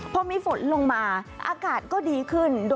พอมีฝนลงมาอากาศก็ดีขึ้น